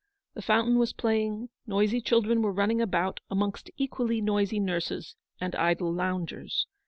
The fountain was playing ; noisy children were running about 80 amongst equally noisy nurses and idle loungers.